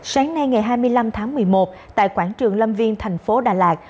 sáng nay ngày hai mươi năm tháng một mươi một tại quảng trường lâm viên tp đà lạt